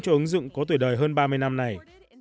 hơn ba mươi năm này